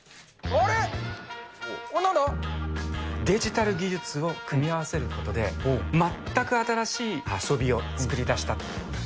デジタル技術を組み合わせることで、全く新しい遊びを作り出したと。